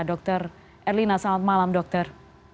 dr erlina selamat malam dokter